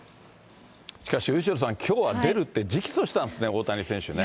しかし、後呂さん、きょうは出るって直訴したんですね、大谷選手ね。